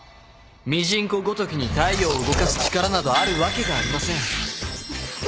ミジンコごときに太陽を動かす力などあるわけがありません。